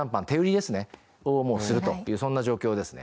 をするというそんな状況ですね。